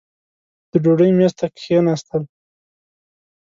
د ډوډۍ مېز ته کښېنستل.